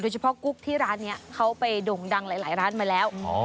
เฉพาะกุ๊กที่ร้านนี้เขาไปด่งดังหลายร้านมาแล้ว